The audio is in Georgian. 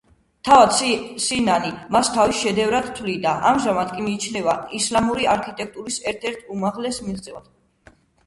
თვად სინანი მას თავის შედევრად თვლიდა, ამჟამად კი მიიჩნევა ისლამური არქიტექტურის ერთ-ერთ უმაღლეს მიღწევად.